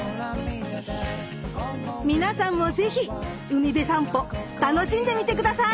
皆さんも是非海辺さんぽ楽しんでみて下さい！